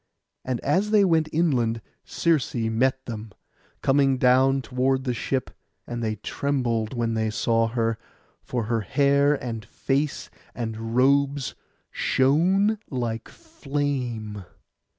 And as they went inland Circe met them, coming down toward the ship; and they trembled when they saw her, for her hair, and face, and robes shone like flame.